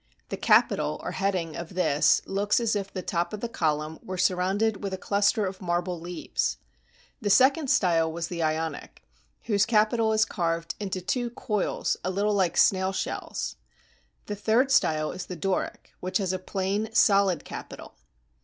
The capital, or heading, of this looks as if the top of the column were surrounded with a cluster of marble leaves. The second style was the Ionic, whose capital is carved into two coils a Uttle like snail shells. The third style was the Doric, which has a plain, solid capital.